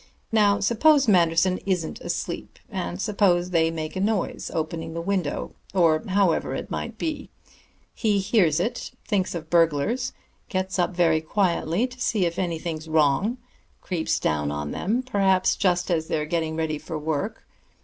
Now suppose Manderson isn't asleep, and suppose they make a noise opening the window, or however it might be. He hears it; thinks of burglars; gets up very quietly to see if anything's wrong; creeps down on them, perhaps, just as they're getting ready for work.